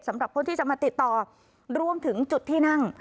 สำหรับคนที่จะมาติดต่อรวมถึงจุดที่นั่ง